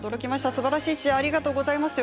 すばらしい試合をありがとうございます。